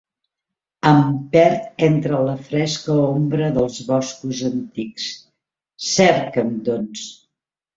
Em perd entre la fresca ombra dels boscos antics; cerca'm doncs!